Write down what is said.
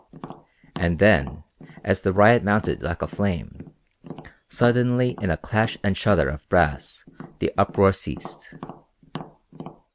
And then, as the riot mounted like a flame, suddenly in a clash and shudder of brass the uproar ceased.